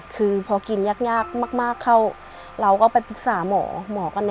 คือพอกินยากมากเข้าเราก็ไปปรึกษาหมอ